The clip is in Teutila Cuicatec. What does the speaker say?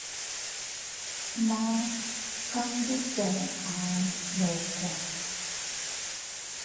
Man kanbeeto aʼay ndoko.